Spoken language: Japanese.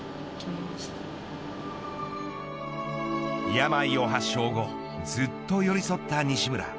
病を発症後ずっと寄り添った西村。